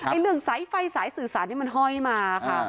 เรื่องสายไฟสายสื่อสารนี่มันห้อยมาค่ะ